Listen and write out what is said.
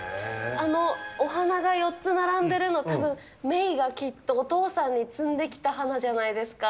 あの、お花が４つ並んでるの、たぶんメイがきっとお父さんに摘んできた花じゃないですか。